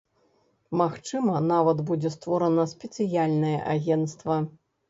Магчыма, нават будзе створана спецыяльнае агенцтва.